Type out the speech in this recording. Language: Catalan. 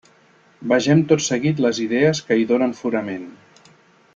Vegem tot seguit les idees que hi donen fonament.